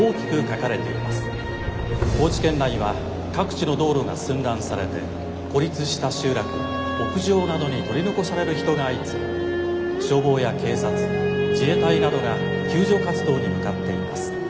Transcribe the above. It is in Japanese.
高知県内は各地の道路が寸断されて孤立した集落や屋上などに取り残される人が相次ぎ消防や警察自衛隊などが救助活動に向かっています。